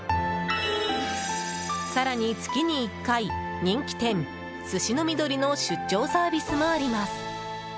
更に月に１回人気店、寿司の美登利の出張サービスもあります。